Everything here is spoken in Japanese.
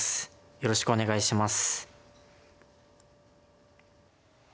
よろしくお願いします。